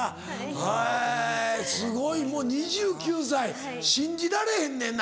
へぇすごいもう２９歳信じられへんねん。